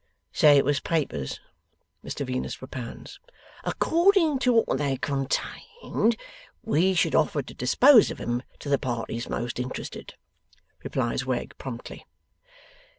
'Say it was papers,' Mr Venus propounds. 'According to what they contained we should offer to dispose of 'em to the parties most interested,' replies Wegg, promptly.